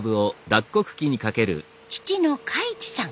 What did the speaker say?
父の嘉一さん